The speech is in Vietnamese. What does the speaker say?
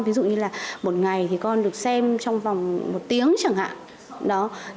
ví dụ như là một ngày thì con được xem trong vòng một tiếng chẳng hạn